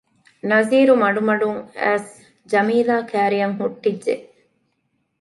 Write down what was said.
ނަޒީރު މަޑުމަޑުން އައިސް ޖަމީލާ ކައިރިއަށް ހުއްޓިއްޖެ